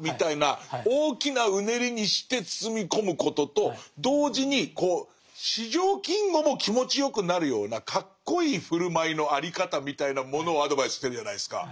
みたいな大きなうねりにして包み込むことと同時に四条金吾も気持ちよくなるようなかっこいい振る舞いの在り方みたいなものをアドバイスしてるじゃないですか。